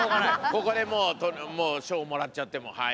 ここでもう書をもらっちゃってもはい。